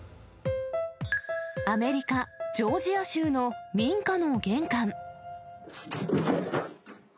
アメリカ・ジョージア州の民家の玄関。